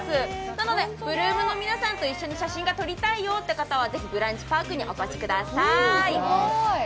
なので８ＬＯＯＭの皆さんと一緒に写真が撮りたいよという方はぜひブランチパークにお越しください。